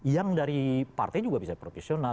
yang dari partai juga bisa profesional